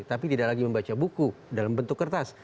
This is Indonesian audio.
tapi tidak lagi membaca buku dalam bentuk kertas